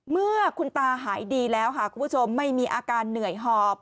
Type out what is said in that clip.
เมื่อคุณตาหายดีแล้วค่ะคุณผู้ชมไม่มีอาการเหนื่อยหอบ